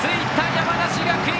山梨学院！